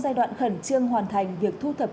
giai đoạn khẩn trương hoàn thành việc thu thập